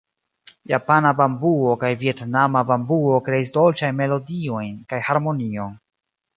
Japana bambuo kaj vjetnama bambuo kreis dolĉajn melodiojn kaj harmonion.